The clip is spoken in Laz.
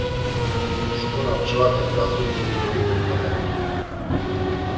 Şǩu na p̌ç̌vaten lazut̆i, goyt̆urt̆olert̆u.